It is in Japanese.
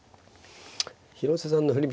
広瀬さんの振り